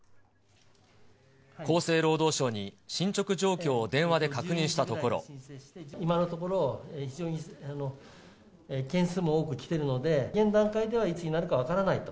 厚生労働省に進捗状況を電話今のところ、非常に件数も多く来てるので、現段階では、いつになるか分からないと。